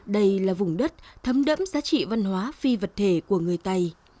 đây là vùng đất thấm đẫm giá trị văn hóa phi vật thể của người tây